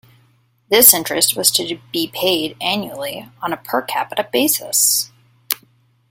This interest was to be paid annually on a per capita basis.